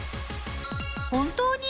本当に？